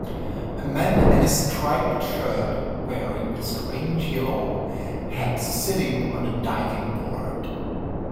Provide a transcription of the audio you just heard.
A man in a striped shirt wearing a strange yellow had sitting on a diving board.